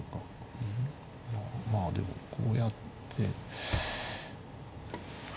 まあでもこうやって。